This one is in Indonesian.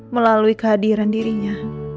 melalui kehadiran dirinya